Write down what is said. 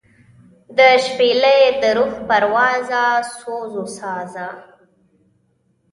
دشپیلۍ دروح پروازه سوزوسازه